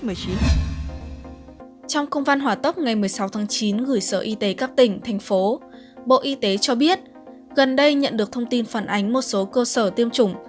trong công văn hỏa tốc ngày một mươi sáu tháng chín gửi sở y tế các tỉnh thành phố bộ y tế cho biết gần đây nhận được thông tin phản ánh một số cơ sở tiêm chủng